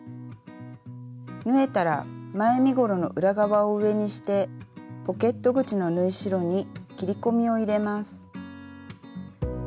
縫えたら前身ごろの裏側を上にしてポケット口の縫い代に切り込みを入れます。